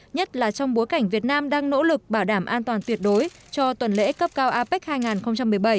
nhất là trong bối cảnh việt nam đang nỗ lực bảo đảm an toàn tuyệt đối cho tuần lễ cấp cao apec hai nghìn một mươi bảy